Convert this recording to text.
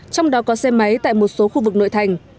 trong đó có xe máy tại một số khu vực nội thành